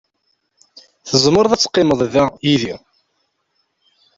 Tzemreḍ ad teqqimeḍ da yid-i.